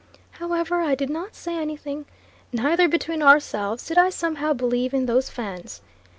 However I did not say anything; neither, between ourselves, did I somehow believe in those Fans.